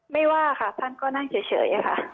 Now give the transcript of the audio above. ไม่ว่าค่ะท่านก็นั่งเฉยค่ะ